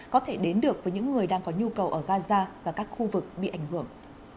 có thể đến được với những người đang có nhu cầu ở gaza và các khu vực bị ảnh hưởng